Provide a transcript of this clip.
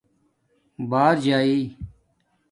بݳر جݳیئ